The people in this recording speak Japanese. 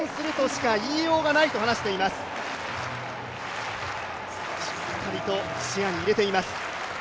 しっかりと視野に入れていますｎ。